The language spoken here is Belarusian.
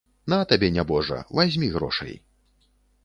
На табе, нябожа, вазьмі грошай.